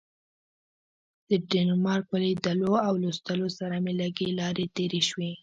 د ډنمارک په لیدلو او لوستلو سره مې لږې لاړې تیرې شوې.